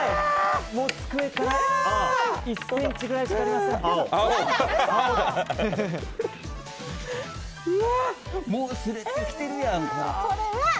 もう机から１ｃｍくらいしかありません。